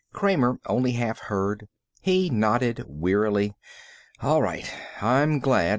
Kramer only half heard. He nodded wearily. "All right. I'm glad.